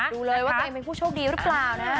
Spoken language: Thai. ดูเลยว่าตัวเองเป็นผู้โชคดีหรือเปล่านะ